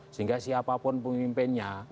sehingga siapapun pemimpinnya